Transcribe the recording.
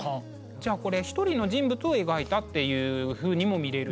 じゃあこれ一人の人物を描いたっていうふうにも見れるってことなんですね。